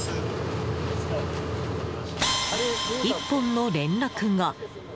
一本の連絡が。